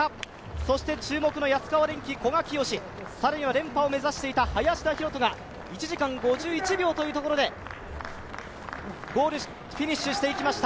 そして注目の安川電機の古賀淳紫、更には連覇を目指していた林田洋翔が１時間５１秒というところでゴールフィニッシュしていきました。